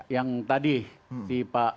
yang tadi si pak